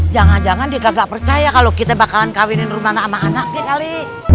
jangan jangan dia gak percaya kalo kita bakalan kawinin rumana sama anaknya kali